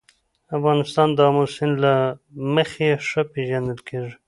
افغانستان د آمو سیند له مخې ښه پېژندل کېږي.